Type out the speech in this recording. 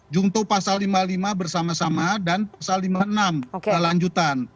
jungto pasal lima puluh lima bersama sama dan pasal lima puluh enam lanjutan